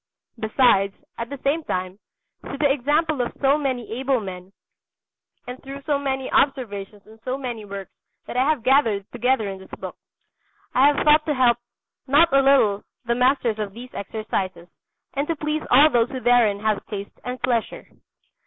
Besides, at the same time, through the example of so many able men and through so many observations on so many works that I have gathered together in this book, I have thought to help not a little the masters of these exercises and to please all those who therein have taste and pleasure.